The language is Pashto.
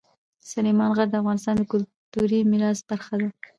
سلیمان غر د افغانستان د کلتوري میراث برخه ده.